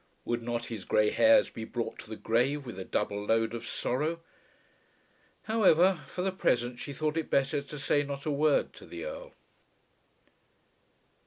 Would not his grey hairs be brought to the grave with a double load of sorrow? However, for the present she thought it better to say not a word to the Earl.